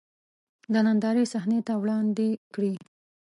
د نندارې صحنې ته وړاندې کړي.